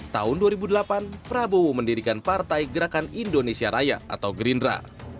tahun dua ribu delapan prabowo mendirikan partai gerakan indonesia raya atau gerindra